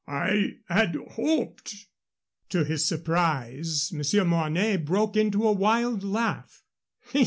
I had hoped " To his surprise, Monsieur Mornay broke into a wild laugh.